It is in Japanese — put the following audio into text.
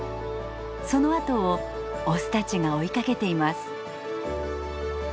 そのあとをオスたちが追いかけています。